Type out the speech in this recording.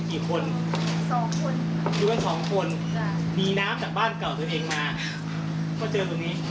เด็กได้ความช่วยเหลืออะไรเป็นยังไง